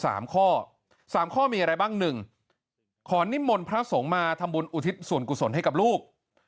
สามข้อสามข้อมีอะไรบ้างหนึ่งขอนิมนต์พระสงฆ์มาทำบุญอุทิศส่วนกุศลให้กับลูก